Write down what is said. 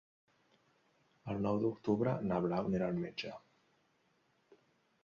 El nou d'octubre na Blau irà al metge.